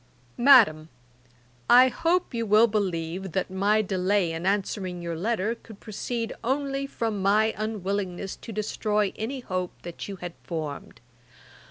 'MADAM, 'I hope you will believe that my delay in answering your letter could proceed only from my unwillingness to destroy any hope that you had formed.